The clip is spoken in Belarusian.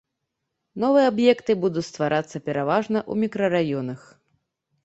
Новыя аб'екты будуць стварацца пераважна ў мікрараёнах.